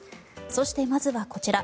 そして、まずはこちら。